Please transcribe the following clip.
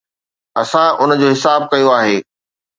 اسان ان جو حساب ڪيو آهي.